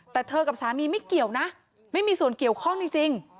แต่เธอกับสามีไม่เกี่ยวนะไม่มีส่วนเกี่ยวข้องจริง